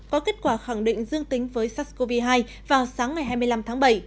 có kết quả khẳng định dương tính với sars cov hai vào sáng ngày hai mươi năm tháng bảy